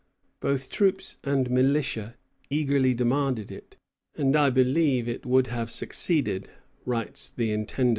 "Both troops and militia eagerly demanded it, and I believe it would have succeeded," writes the Intendant, Bigot.